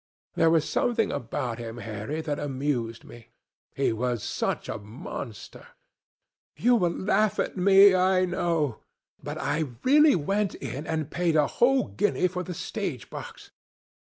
There was something about him, Harry, that amused me. He was such a monster. You will laugh at me, I know, but I really went in and paid a whole guinea for the stage box.